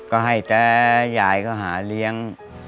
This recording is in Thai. ก็ให้แป๊บยายเขาหาเลี้ยง